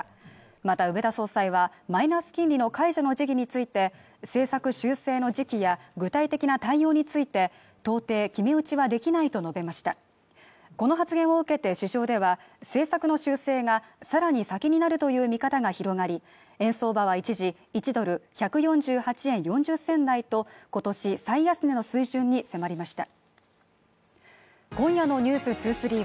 また植田総裁はマイナス金利の解除の時期について政策修正の時期や具体的な対応について到底決め打ちはできないと述べましたこの発言を受けて市場では政策の修正がさらに先になるという見方が広がり円相場は一時１ドル＝１４８円４０銭台と今年最安値の水準に迫りました